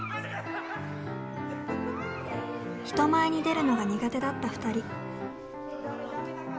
人前に出るのが苦手だった２人。